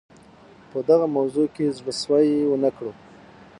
په دغه موضوع کې زړه سوی ونه کړو.